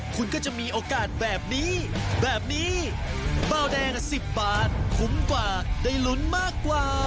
ขุมกว่าได้หลุนมากกว่า